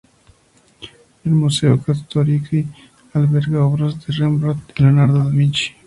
El Museo Czartoryski alberga obras de Rembrandt y Leonardo da Vinci.